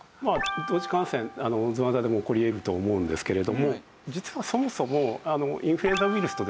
同時感染どなたでも起こり得ると思うんですけれども実はそもそもインフルエンザウイルスとですね